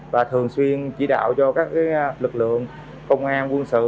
và thường xuyên chỉ đạo cho các lực lượng công an quân sự